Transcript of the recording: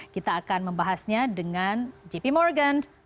kita akan membahasnya dengan jp morgan